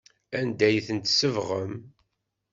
Anda ay tent-tsebɣem?